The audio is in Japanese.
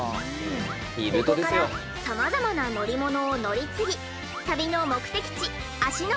ここからさまざまな乗り物を乗り継ぎ旅の目的地芦ノ